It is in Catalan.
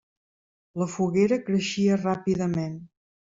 La foguera creixia ràpidament.